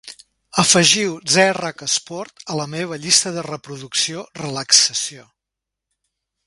Afegiu "ze rak sport" a la meva llista de reproducció "relaxació"